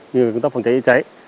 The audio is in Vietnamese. như công tác phòng cháy chạy cháy